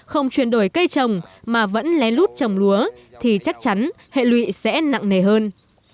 không chuyển đổi cây trồng mà vẫn lén lút trồng lúa thì chắc chắn hệ lụy sẽ nặng nề hơn